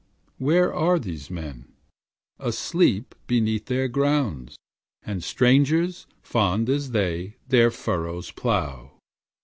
Where are these men? Asleep beneath their grounds: And strangers, fond as they, their furrows plough.